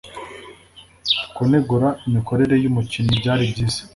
Kunegura imikorere yumukinnyi byari byiza.